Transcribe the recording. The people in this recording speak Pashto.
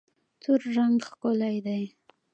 تور رنګ ښکلی دی.